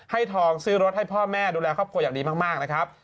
ทองซื้อรถให้พ่อแม่ดูแลครอบครัวอย่างดีมากนะครับ